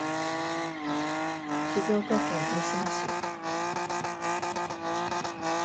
静岡県三島市